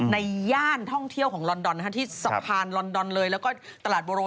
ย่านท่องเที่ยวของลอนดอนที่สะพานลอนดอนเลยแล้วก็ตลาดโบโร